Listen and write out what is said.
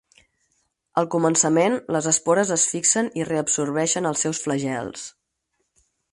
Al començament, les espores es fixen i reabsorbeixen els seus flagels.